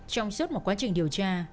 trong suốt một quá trình điều tra